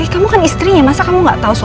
kamu kenapa gak bisa gak tau